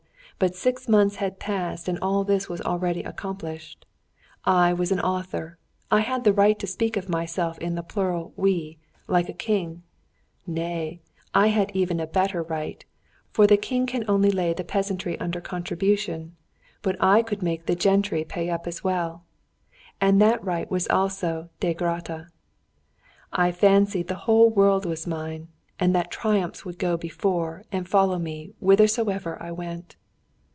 but six months had passed and all this was already accomplished. I was an author. I had the right to speak of myself in the plural "we," like a king; nay, I had even a better right, for the king can only lay the peasantry under contribution, but I could make the gentry pay up as well, and that right was also "Dei gratia." I fancied the whole world was mine, and that triumphs would go before and follow after me whithersoever I went.